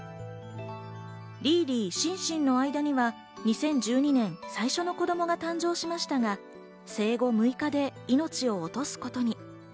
リーリー、シンシンの間には２０１２年、最初の子供が誕生しましたが、生後６日で命を落とすことに。